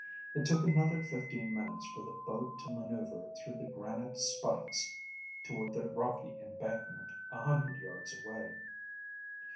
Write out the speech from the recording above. It took another fifteen minutes for the boat to maneuver through the granite spikes toward the rocky embankment a hundred yards away.